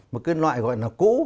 một cái loại gọi là cũ